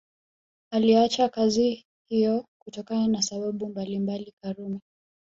Aliacha kazi hiyo kutokana na sababu mbalimbali Karume